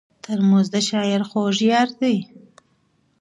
ترموز د شاعر خوږ یار دی.